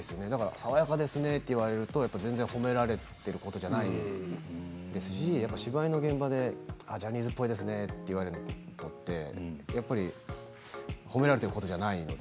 爽やかですねと言われると全然褒められていることじゃないですし芝居の現場でジャニーズっぽいですねと言われる人って褒められていることじゃないので。